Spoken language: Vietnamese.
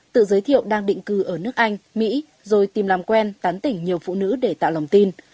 tự giới thiệu đang định cư ở nước anh mỹ rồi tìm làm quen tán tỉnh nhiều phụ nữ để tạo lòng tin